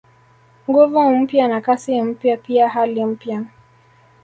Nguvu mpya na Kasi mpya pia hali mpya